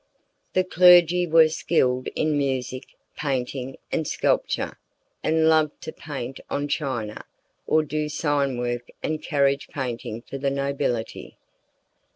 The clergy were skilled in music, painting, and sculpture, and loved to paint on china, or do sign work and carriage painting for the nobility.